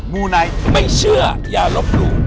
มูไนท์ไม่เชื่ออย่าลบหลู่